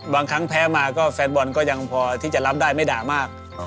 บางครั้งแพ้มาก็แฟนบอลก็ยังพอที่จะรับได้ไม่ด่ามาก